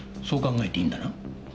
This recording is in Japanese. そう考えていいんだな？